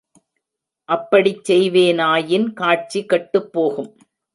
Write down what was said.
அப்படிச் செய்வேனாயின் காட்சி கெட்டுப்போகும்.